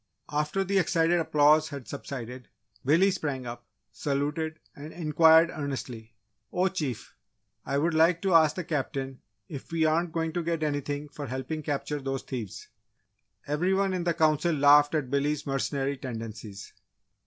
After the excited applause had subsided, Billy sprang up, saluted, and inquired earnestly, "Oh Chief! I would like to ask the Captain if we aren't going to get anything for helping capture those thieves?" Every one in the Council laughed at Billy's mercenary tendencies.